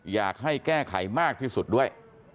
อยากให้แก้ไขมากที่สุดด้วย